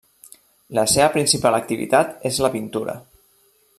La seva principal activitat és la pintura.